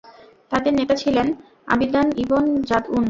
তাদের নেতা ছিলেন আবীদান ইবন জাদউন।